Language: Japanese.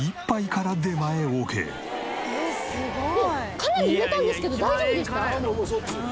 かなり揺れたんですけど大丈夫でした？